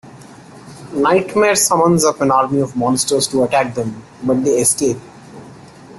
Nightmare summons up an army of monsters to attack them, but they escape.